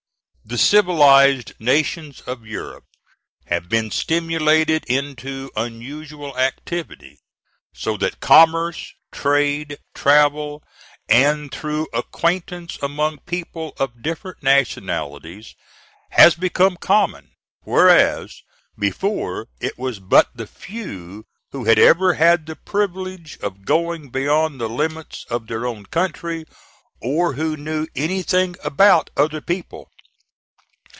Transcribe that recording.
The civilized nations of Europe have been stimulated into unusual activity, so that commerce, trade, travel, and thorough acquaintance among people of different nationalities, has become common; whereas, before, it was but the few who had ever had the privilege of going beyond the limits of their own country or who knew anything about other people.